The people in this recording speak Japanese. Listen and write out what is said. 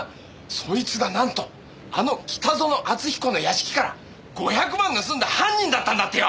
そいつがなんとあの北薗篤彦の屋敷から５００万盗んだ犯人だったんだってよ！